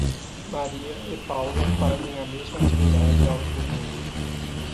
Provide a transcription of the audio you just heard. Maria e Paula fazem a mesma atividade aos domingos.